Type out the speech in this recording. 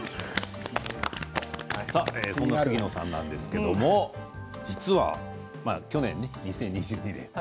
そんな杉野さんなんですが実は去年、２０２２年